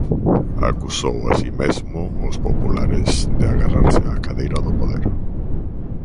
Acusou así mesmo os populares de "agarrarse á cadeira" do poder.